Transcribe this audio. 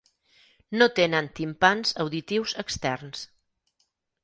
No tenen timpans auditius externs.